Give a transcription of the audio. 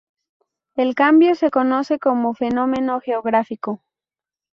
El cambio se conoce como fenómeno geográfico.